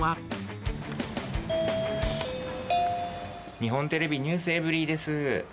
日本テレビ、ｎｅｗｓｅｖｅｒｙ．です。